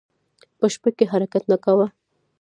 په شپه کې حرکت نه کاوه.